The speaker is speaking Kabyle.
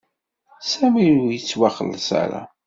Sami ur yettwaxelleṣ ara.